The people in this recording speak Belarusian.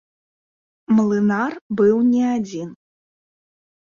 Млынар быў не адзін.